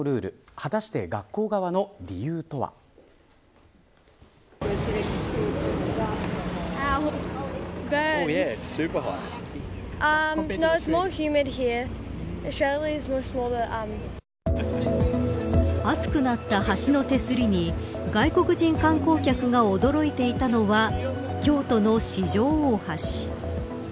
果たして、学校側の理由とは。熱くなった橋の手すりに外国人観光客が驚いていたのは京都の四条大橋。